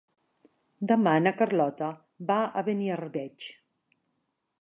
Demà na Carlota va a Beniarbeig.